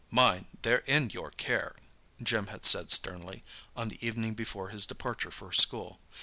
"Mind, they're in your care," Jim had said sternly, on the evening before his departure for school.